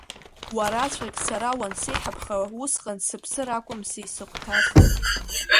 Уараҵәҟьагь сара уансеиҳабха, усҟан сыԥсыр акәымзи исыхәҭаз.